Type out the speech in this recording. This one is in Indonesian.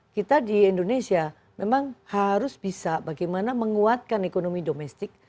kita di indonesia memang harus bisa bagaimana menguatkan ekonomi domestik